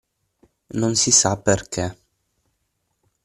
Non si sa perché.